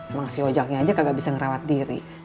emang si ojoknya aja kagak bisa ngerawat diri